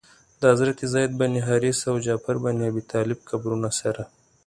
د حضرت زید بن حارثه او جعفر بن ابي طالب قبرونو سره.